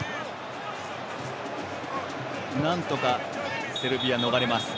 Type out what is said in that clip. なんとかセルビア逃れます。